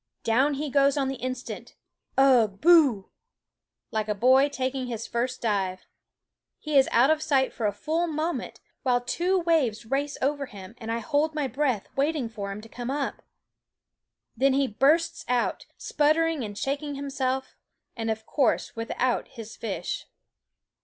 Down he goes on the instant, ugh ! boo! like a boy taking his first dive. He is out of sight for a full moment, while two waves race over him, and I hold my breath waiting for him to come up. Then he bursts out, sputtering and shaking him self, and of course without his fish.